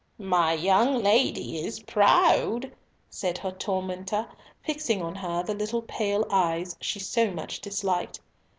"My young lady is proud," said her tormentor, fixing on her the little pale eyes she so much disliked.